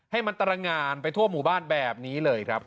ให้มันตรงานไปทั่วหมู่บ้านแบบนี้เลยครับ